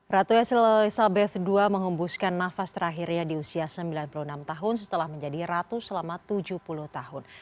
ratu elizabeth ii mengembuskan nafas terakhirnya di usia sembilan puluh enam tahun setelah menjadi ratu selama tujuh puluh tahun